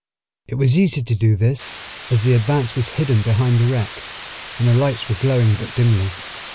It was easy to do this, as the Advance was hidden behind the wreck, and her lights were glowing but dimly.